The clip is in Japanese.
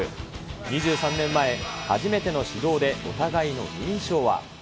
２３年前、初めての指導で、お互いの印象は。